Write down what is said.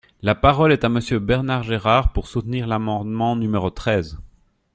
La parole est à Monsieur Bernard Gérard, pour soutenir l’amendement numéro treize.